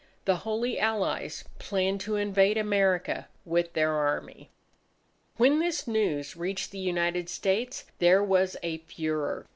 The Holy Allies planned to invade America with their Army. When this news reached the United States, there was a furore.